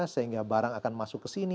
sehingga barang akan masuk ke sini